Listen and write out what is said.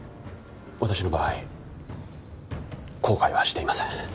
私の場合後悔はしていません。